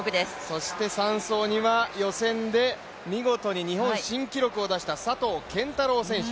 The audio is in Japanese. そして３走には予選で見事に日本新記録を出した佐藤拳太郎選手。